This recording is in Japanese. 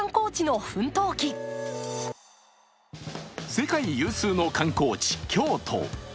世界有数の観光地、京都。